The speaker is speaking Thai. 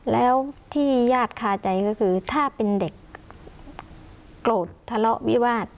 แล้วที่ญาติคาใจก็คือถ้าเป็นเด็กโกรธทะเลาะวิวาส